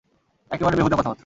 এক্কেবারে বেহুদা কথাবার্তা।